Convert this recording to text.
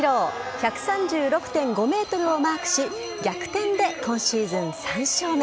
１３６．５メートルをマークし、逆転で今シーズン３勝目。